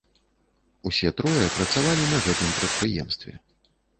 Усе трое працавалі на гэтым прадпрыемстве.